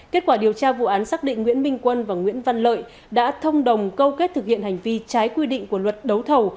kết quả điều tra vụ án xác định nguyễn minh quân và nguyễn văn lợi đã thông đồng câu kết thực hiện hành vi trái quy định của luật đấu thầu